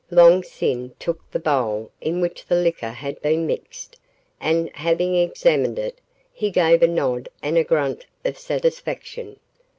Long Sin took the bowl in which the liquor had been mixed, and, having examined it, he gave a nod and a grunt of satisfaction.